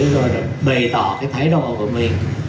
rồi bày tỏ cái thái độ của mình